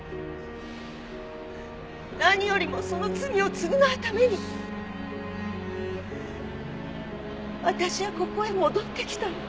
何よりもその罪を償うために私はここへ戻ってきたの。